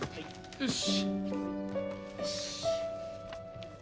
よし。